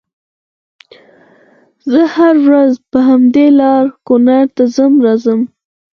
زه هره ورځ په همدې لار کونړ ته ځم راځم